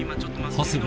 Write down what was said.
長谷部！